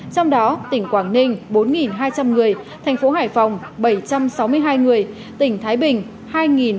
trong đó tỉnh quảng ninh bốn hai trăm linh người thành phố hải phòng bảy trăm sáu mươi hai người tỉnh thái bình hai bảy trăm linh